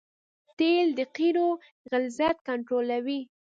تیل د قیرو غلظت کنټرولوي